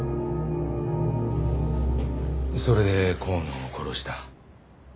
それで香野を殺した。